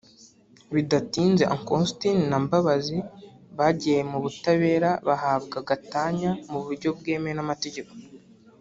Bidatinze Uncle Austin na Mbabazi bagiye mu butabera bahabwa gatanya mu buryo bwemewe n’amategeko